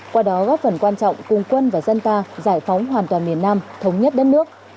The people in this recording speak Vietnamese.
qua đó góp phần quan trọng cùng quân và dân ta giải phóng hoàn toàn miền nam thống nhất đất nước